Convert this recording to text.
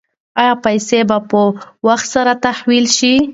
ایا پیسې به په وخت سره تحویل شي؟